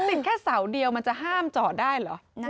ติดแค่เสาเดียวมันจะห้ามจอดได้เหรอ